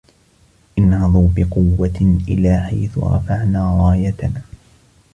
انهضوا بقوة إلى حيث رفعنا رايتنا